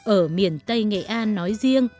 ở miền tây nghệ an nói riêng